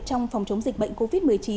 trong phòng chống dịch bệnh covid một mươi chín